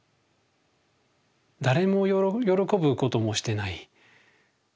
誰も喜ぶこともしてない。